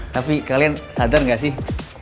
tapi kalian sadar gak sih